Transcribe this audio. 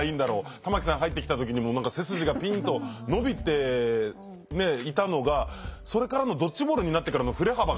玉木さん入ってきた時にも何か背筋がピンと伸びていたのがそれからのドッジボールになってからの振れ幅が半端なかったですね。